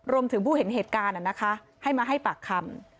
รวมถึงผู้เห็นเหตุการณ์น่ะนะคะให้มาให้ปากคำ